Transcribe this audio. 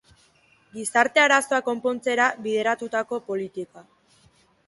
Gizarte arazoak konpontzera bideratutako politika.